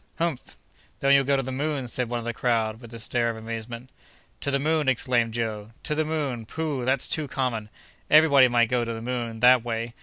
"Humph! then you'll go to the moon!" said one of the crowd, with a stare of amazement. "To the moon!" exclaimed Joe, "To the moon! pooh! that's too common. Every body might go to the moon, that way.